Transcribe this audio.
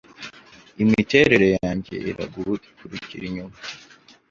Imiterere yanjye iragukurikira inyuma